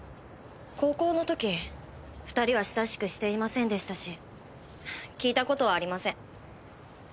高校の時２人は親しくしていませんでしたし聞いた事はありません。